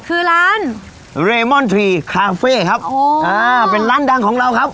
คือร้านเรมอนทรีคาเฟ่ครับโอ้อ่าเป็นร้านดังของเราครับ